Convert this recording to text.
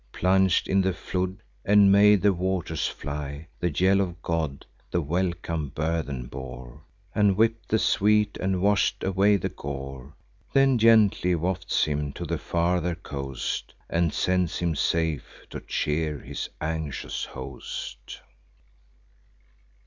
Plung'd in the flood, and made the waters fly. The yellow god the welcome burthen bore, And wip'd the sweat, and wash'd away the gore; Then gently wafts him to the farther coast, And sends him safe to cheer his anxious host.